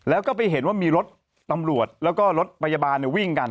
แล้วก็ไปเห็นว่ามีรถตำรวจแล้วก็รถพยาบาลวิ่งกัน